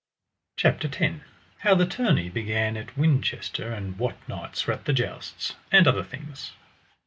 CHAPTER X. How the tourney began at Winchester, and what knights were at the jousts; and other things.